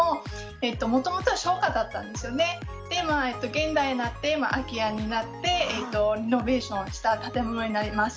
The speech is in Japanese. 現代になって今空き家になってリノベーションした建物になります。